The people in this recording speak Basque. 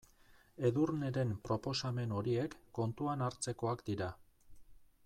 Edurneren proposamen horiek kontuan hartzekoak dira.